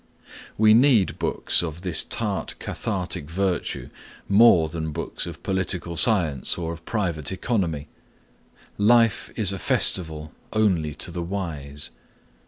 We need books of this tart cathartic virtue more than books of political science or of private economy. Life is a festival only to the wise.